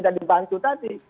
tidak dibantu tadi